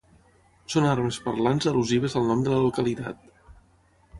Són armes parlants al·lusives al nom de la localitat.